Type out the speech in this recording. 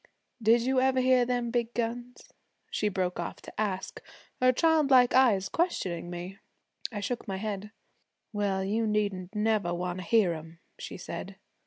Did you ever hear them big guns?' she broke off to ask, her childlike eyes questioning me. I shook my head. 'Well, you needn't never want to hear 'em,' she said.